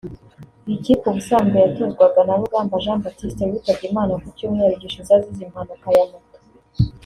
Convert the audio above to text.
Iyi kipe ubusanzwe yatozwaga na Rugambwa Jean Baptiste witabye Imana ku cyumweru gishize azize impanuka ya moto